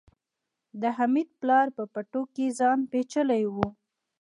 د حميد پلار په پټو کې ځان پيچلی و.